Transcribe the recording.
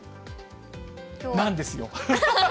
なんですよ。